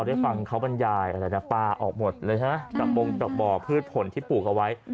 ได้ฟังเขาบรรยายอะไรนะปลาออกหมดเลยใช่ไหมจากบงจากบ่อพืชผลที่ปลูกเอาไว้